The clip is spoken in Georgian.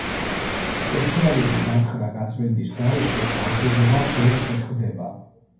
სპეციალური გათხრა-გაწმენდის გარეშე აზომვა ვერ ხერხდება.